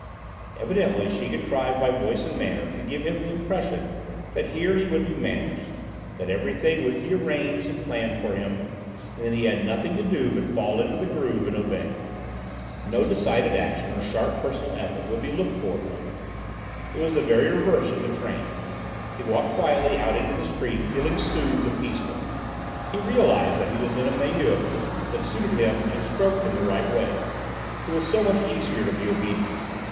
Evidently, she contrived by voice and manner to give him the impression that here he would be "managed," that everything would be arranged and planned for him, and that he had nothing to do but fall into the groove and obey. No decided action or sharp personal effort would be looked for from him. It was the very reverse of the train. He walked quietly out into the street feeling soothed and peaceful. He realised that he was in a milieu that suited him and stroked him the right way. It was so much easier to be obedient.